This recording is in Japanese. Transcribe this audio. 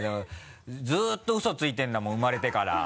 ずっとウソついてるんだもん生まれてから。